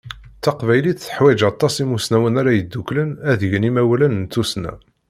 Taqbaylit teḥwaǧ aṭas imusnawen ara yedduklen ad gen imawalen n tussna.